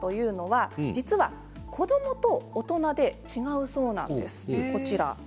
実は子どもと大人で違うそうなんです。